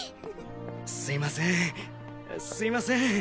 すいませんすいません。